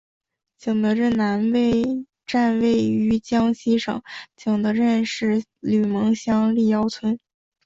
景德镇南站位于江西省景德镇市吕蒙乡历尧村。